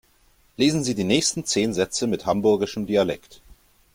Lesen Sie die nächsten zehn Sätze mit hamburgischem Dialekt.